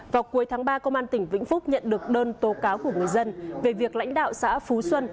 vào cuối tháng ba công an tỉnh vĩnh phúc nhận được đơn tố cáo của người dân về việc lãnh đạo xã phú xuân